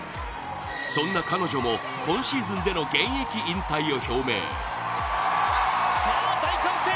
そんな彼女も今シーズンでの現役引退を表明。